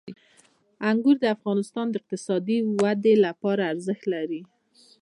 انګور د افغانستان د اقتصادي ودې لپاره ارزښت لري.